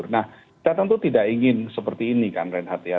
nah kita tentu tidak ingin seperti ini kan reinhardt ya